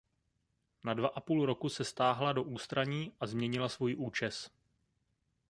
Na dva a půl roku se stáhla do ústraní a změnila svůj účes.